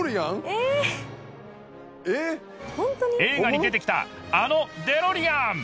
映画に出てきたあの「デロリアン」！